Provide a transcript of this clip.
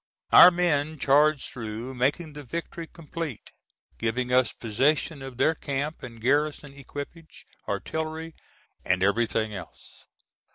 Our men charged through making the victory complete, giving us possession of their camp and garrison equipage, artillery and everything else.